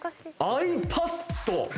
「ｉＰａｄ」！